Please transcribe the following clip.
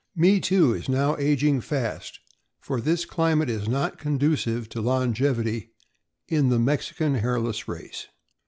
Me Too is now aging fast, for this climate is not conducive to longevity in the Mexican Hairless race.